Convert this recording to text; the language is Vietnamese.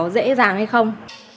dễ dàng hay không